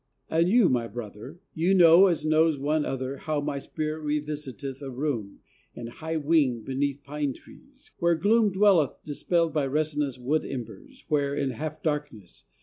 And you, my Brother, You know, as knows one other, How my spirit revisiteth a room In a high wing, beneath pine trees, where gloom Dwelleth, dispelled by resinous wood embers, Where, in half darkness